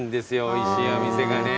おいしいお店がね。